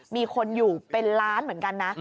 มีคนอยู่เป็นล้านเหมือนกันนะ